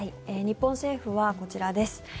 日本政府はこちらです。